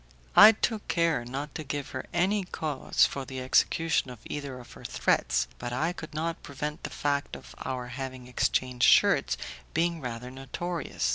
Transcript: I took care not to give her any cause for the execution of either of her threats, but I could not prevent the fact of our having exchanged shirts being rather notorious.